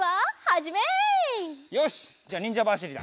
じゃあにんじゃばしりだ。